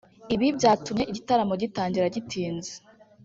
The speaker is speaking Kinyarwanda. ibi byatumye igitaramo gitangira gitinze